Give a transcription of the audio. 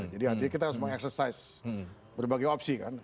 jadi artinya kita harus mengakses berbagai opsi kan